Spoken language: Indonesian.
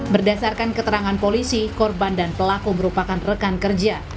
berdasarkan keterangan polisi korban dan pelaku merupakan rekan kerja